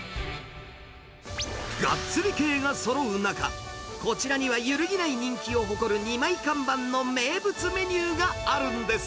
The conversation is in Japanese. がっつり系がそろう中、こちらには揺るぎない人気を誇る二枚看板の名物メニューがあるんです。